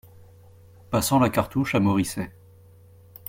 Passant la cartouche à Moricet.